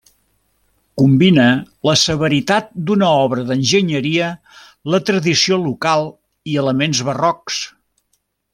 Combina la severitat d'una obra d'enginyeria, la tradició local i elements barrocs.